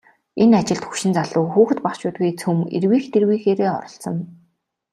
Энэ ажилд хөгшин залуу, хүүхэд багачуудгүй цөм эрвийх дэрвийхээрээ оролцоно.